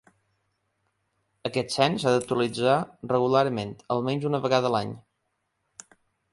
Aquest cens s’ha d’actualitzar regularment, almenys una vegada a l’any.